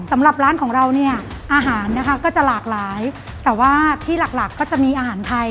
สำหรับร้านของเราอาหารก็จะหลากหลายแต่ว่าที่หลักก็จะมีอาหารไทย